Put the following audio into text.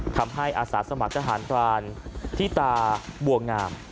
ทำให้อาสาสมัครทหารพลานที่ตาบวงงาม